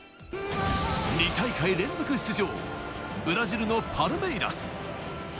２大会連続出場、ブラジルのパルメイラス。